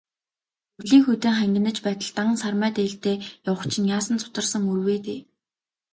Өвлийн хүйтэн хангинаж байтал, дан сармай дээлтэй явах чинь яасан зутарсан үр вэ дээ.